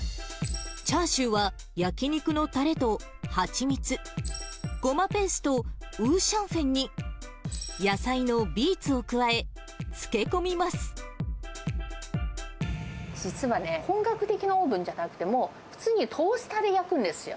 チャーシューは、焼き肉のたれと蜂蜜、ゴマペースト、ウーシャンフェンに、野菜のビーツを加え、漬け込実はね、本格的なオーブンじゃなくてもう普通にトースターで焼くんですよ。